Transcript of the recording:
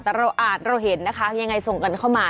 แต่เราอาจเราเห็นนะคะยังไงส่งกันเข้ามา